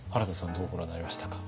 どうご覧になられましたか？